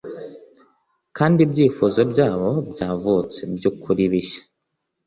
kandi ibyifuzo byabo byavutse, byukuri, bishya